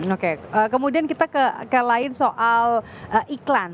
oke kemudian kita ke lain soal iklan